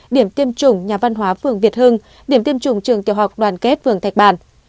điểm tiêm chủng nhà văn hóa phường việt hưng điểm tiêm chủng trường tiểu học đoàn kết phường thạch bàn